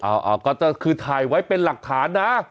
เอาก็คือถ่ายไว้เป็นหลักฐานนะ